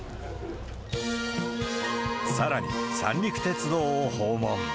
さらに、三陸鉄道を訪問。